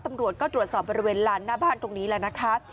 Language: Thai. ตำรวจก็ตรวจสอบบริเวณลานหน้าบ้านตรงนี้แล้วนะคะ